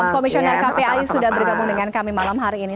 komisioner kpai sudah bergabung dengan kami malam hari ini